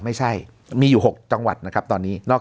ไม่ใช่มีอยู่๖จังหวัดนะครับตอนนี้